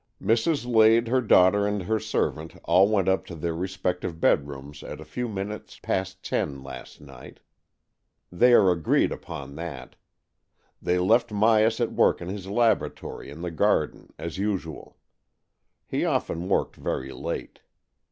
Mrs. Lade, her daughter and her servant, all went up to their respective bedrooms at a few minutes past ten last night. They are agreed upon that. They left Myas at work in his laboratory in the garden as usual. He often worked very late.